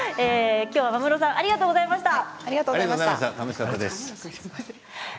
間室さんありがとうございました。